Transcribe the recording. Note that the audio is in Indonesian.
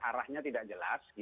arahnya tidak jelas